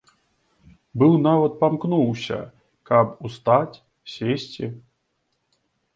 Быў нават памкнуўся, каб устаць, сесці.